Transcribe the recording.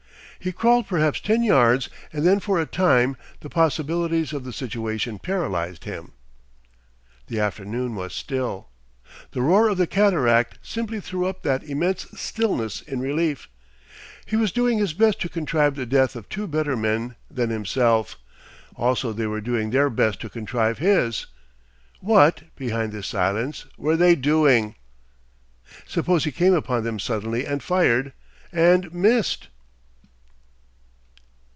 He crawled perhaps ten yards, and then for a time the possibilities of the situation paralysed him. The afternoon was still. The roar of the cataract simply threw up that immense stillness in relief. He was doing his best to contrive the death of two better men than himself. Also they were doing their best to contrive his. What, behind this silence, were they doing. Suppose he came upon them suddenly and fired, and missed?